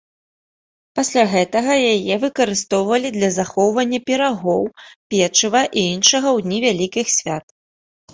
Пасля гэтага яе выкарыстоўвалі для захоўвання пірагоў, печыва і іншага ў дні вялікіх свят.